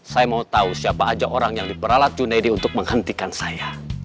saya mau tahu siapa aja orang yang diperalat junaidi untuk menghentikan saya